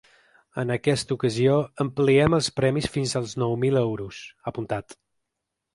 “En aquesta ocasió ampliem els premis fins als nou mil euros”, ha apuntat.